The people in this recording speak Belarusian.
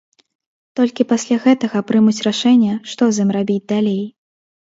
Толькі пасля гэтага прымуць рашэнне, што з ім рабіць далей.